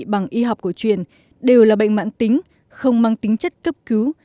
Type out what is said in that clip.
bằng y học cổ truyền đều là bệnh mạng tính không mang tính chất cấp cứu